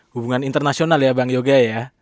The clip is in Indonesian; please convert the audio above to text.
hubungan internasional ya bang yoga